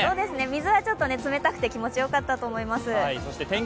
水はちょっと冷たくて気持ちよかったと思います。